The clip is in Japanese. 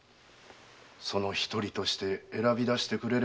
その一人として選び出してくれればいいのだ。